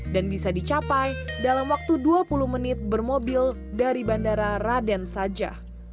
dan bisa dicapai dalam waktu dua puluh menit bermobil dari bandara raden saja